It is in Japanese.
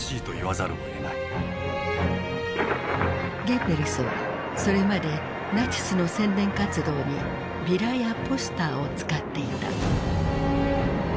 ゲッベルスはそれまでナチスの宣伝活動にビラやポスターを使っていた。